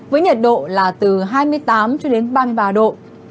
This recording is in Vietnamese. với nhiệt độ là từ hai mươi tám cho đến ba mươi ba độ